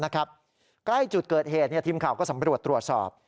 ใกล้จุดเกิดเหตุทีมข่าวก็สำรวจตรวจสอบ